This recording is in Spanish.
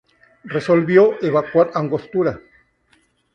Resolvió evacuar Angostura.